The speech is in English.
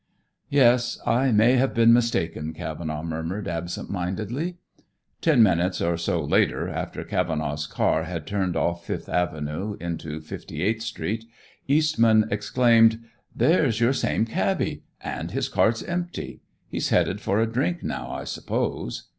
"Yes, I may have been mistaken," Cavenaugh murmured absent mindedly. Ten minutes or so later, after Cavenaugh's car had turned off Fifth Avenue into Fifty eighth Street, Eastman exclaimed, "There's your same cabby, and his cart's empty. He's headed for a drink now, I suppose."